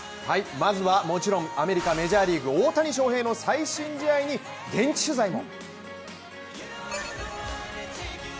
まずはもちろんアメリカ・メジャーリーグ、大谷翔平の最新試合に現地取材も。